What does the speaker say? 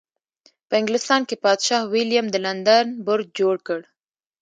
په انګلستان کې پادشاه ویلیم د لندن برج جوړ کړ.